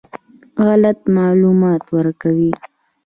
غلط معلومات ورکوي.